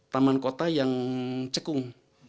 taman kota yang cekung